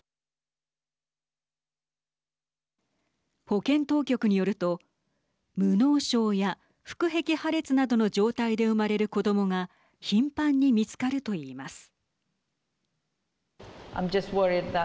保健当局によると無脳症や腹壁破裂などの状態で生まれる子どもが頻繁に見つかるといいます。